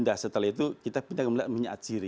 nah setelah itu kita pindah ke minyak sirih